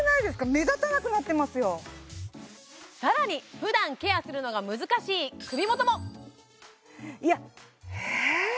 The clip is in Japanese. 目立たなくなってますよさらにふだんケアするのが難しい首元もええ？